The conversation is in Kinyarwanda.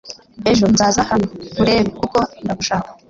Ejo nzaza hano nkurebe kuko ndagushaka